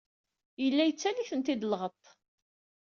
Yella yettaley-tent-id lɣeṭṭ.